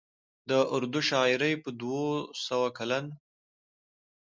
د اردو شاعرۍ په دوه سوه کلن